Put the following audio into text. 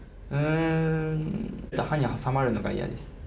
うん歯に挟まるのがイヤです。